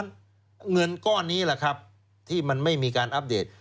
เงินก้อนนี้แหละครับที่มันไม่มีการอัปเดต